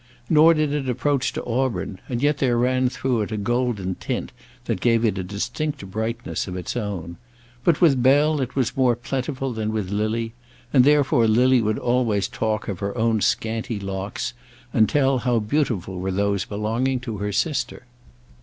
Nor did it approach to auburn; and yet there ran through it a golden tint that gave it a distinct brightness of its own. But with Bell it was more plentiful than with Lily, and therefore Lily would always talk of her own scanty locks, and tell how beautiful were those belonging to her sister.